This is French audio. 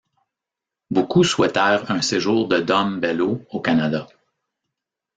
Beaucoup souhaitèrent un séjour de Dom Bellot au Canada.